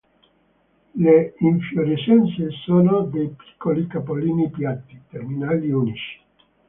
Le infiorescenze sono dei piccoli capolini piatti, terminali unici.